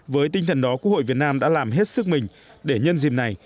với tinh thần đó quốc hội việt nam đã làm hết sức mình để nhân dìm này